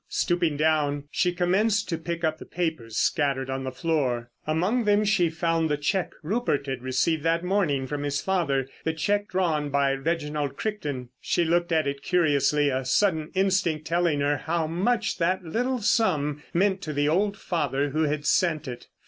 Stooping down she commenced to pick up the papers scattered on the floor. Among them she found the cheque Rupert had received that morning from his father, the cheque drawn by Reginald Crichton. She looked at it curiously, a sudden instinct telling her how much that little sum meant to the old father who had sent it.